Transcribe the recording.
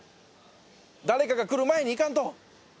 誰かが来る前に行かんと。